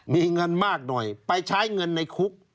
มีเงินมากหน่อยไปใช้เงินในคุก